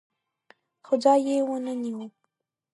خو ځای یې ونه نیو.